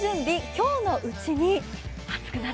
今日のうちに。